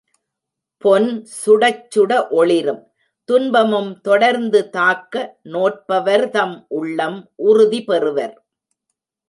பொன் சுடச்சுட ஒளிரும் துன்பமும் தொடர்ந்து தாக்க நோற்பவர் தம் உள்ளம் உறுதிபெறுவர்.